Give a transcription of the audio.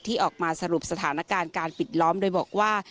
ที่ออกมาสรุปสถานการณ์การปิดล้อมโดยบอกว่า